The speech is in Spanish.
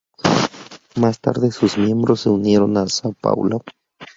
Más tarde, sus miembros se unieron al São Paulo.